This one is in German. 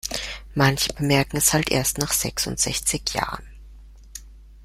Manche bemerken es halt erst nach sechsundsechzig Jahren.